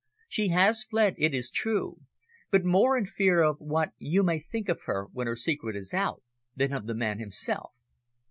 She has fled, it is true, but more in fear of what you may think of her when her secret is out, than of the man himself.